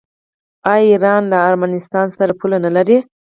آیا ایران له ارمنستان سره پوله نلري؟